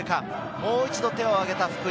もう一度手を挙げた福井。